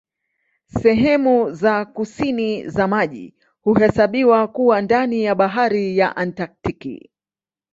Sehemu za kusini za maji huhesabiwa kuwa ndani ya Bahari ya Antaktiki.